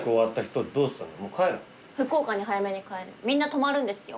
みんな泊まるんですよ。